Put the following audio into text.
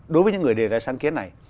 đối với những người đề ra sáng kiến này